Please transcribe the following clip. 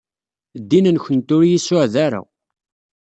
Ddin-nkent ur iyi-suɛed ara.